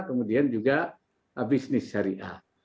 kemudian juga bisnis syariah